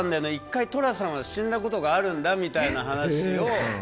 １回、寅さんは死んだことがあるんだ、みたいな話を。